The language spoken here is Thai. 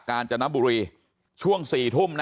การจนบุรีช่วง๔ทุ่มนะ